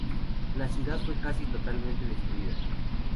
La ciudad fue casi totalmente destruida.